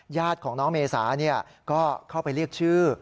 ญาติของน้องเมษาก็เข้าไปเรียกชื่อ